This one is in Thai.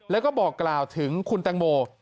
แล้วก็บอกกล่าวถึงคุณแตงโม